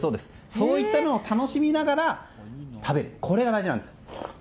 そういったのを楽しみながら食べる、これが大事なんです。